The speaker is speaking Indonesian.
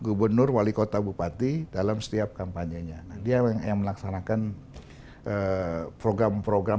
gubernur wali kota bupati dalam setiap kampanye nya dia yang melaksanakan program program